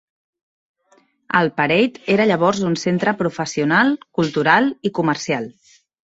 El Parade era llavors un centre professional, cultural i comercial.